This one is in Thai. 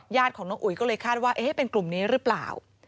ของน้องอุ๋ยก็เลยคาดว่าเป็นกลุ่มนี้หรือเปล่า